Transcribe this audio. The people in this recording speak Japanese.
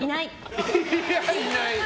いや、いない。